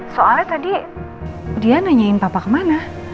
soalnya tadi dia nanyain papa kemana